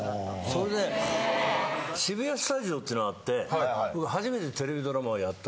それで渋谷スタジオっていうのがあって初めてテレビドラマをやった時に